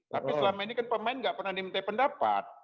tapi selama ini kan pemain nggak pernah diminta pendapat